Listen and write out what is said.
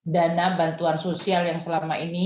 dana bantuan sosial yang selama ini